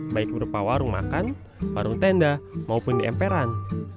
baik berupa warung makan warung tenda maupun di emperan